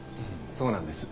そうなんです。